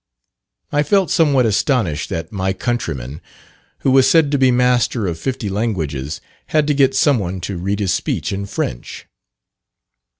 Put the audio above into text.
I felt somewhat astonished that my countryman, who was said to be master of fifty languages, had to get some one to read his speech in French.